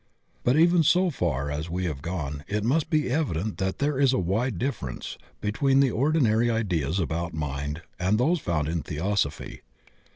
But even so far as we have gone it must be evident that there is a wide difference between the ordinary ideas about Mind and those found in Theosophy.